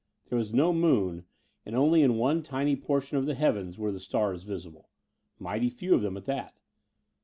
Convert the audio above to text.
There was no moon, and in only one tiny portion of the heavens were the stars visible. Mighty few of them at that.